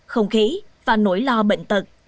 không khí và nỗi lo bệnh tật